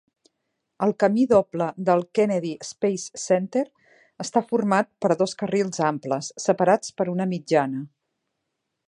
El camí doble del Kennedy Space Center està format er dos carrils amples, separats per una mitjana.